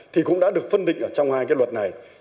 thì cũng đã được phân định ở trong hai cái luật này